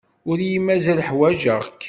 Ur iyi-mazal ḥwajeɣ-k.